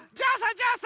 じゃあさ